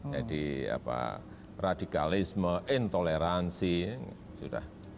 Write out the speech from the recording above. jadi apa radikalisme intoleransi sudah